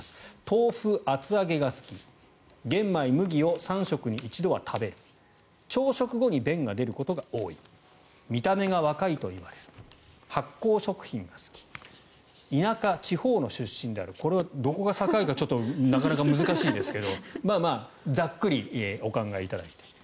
豆腐、厚揚げが好き玄米・麦を３食に一度は食べる朝食後に便が出ることが多い見た目が若いと言われる発酵食品が好き田舎、地方の出身であるこれはどこが境かちょっと難しいですがまあまあざっくりお考えいただいて。